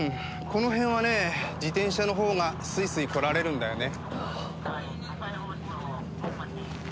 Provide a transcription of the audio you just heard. この辺はね自転車の方がスイスイ来られるんだよね。